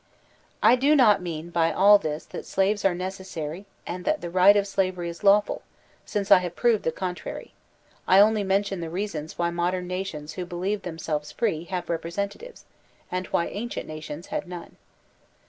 I do not mean by all this that slaves are necessary and that the right of slavery is lawful, since I have proved the contrary; I only mention the reasons why modem nations who believe themselves free have rep resentatives, and why ancient nations had none.